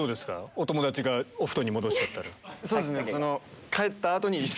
お友達がお布団に戻しちゃったら。